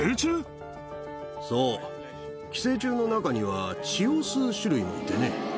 そう、寄生虫の中には、血を吸う種類もいてね。